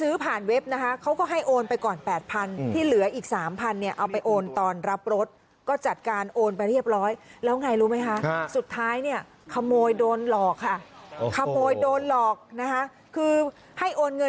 เอาไปซื้อมอเตอร์ไซค์ผ่านเว็บไซค์